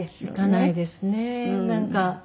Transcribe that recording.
いかないですねなんか。